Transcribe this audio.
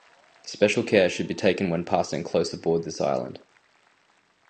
Special care should be taken when passing close aboard this island.